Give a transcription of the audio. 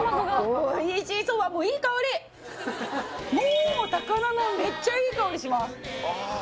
もう高菜のめっちゃいい香りします